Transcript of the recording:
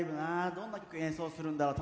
どんな曲演奏するんだろう。